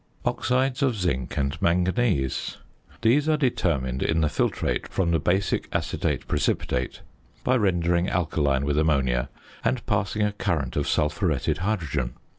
~Oxides of Zinc and Manganese.~ These are determined in the filtrate from the basic acetate precipitate by rendering alkaline with ammonia, and passing a current of sulphuretted hydrogen.